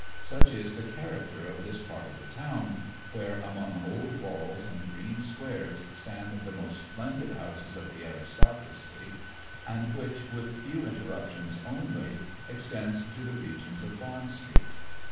Such is the character of this part of the town, where, among old walls and green squares stand the most splendid houses of the aristocracy; and which, with few interruptions only, extends to the regions of Bond street.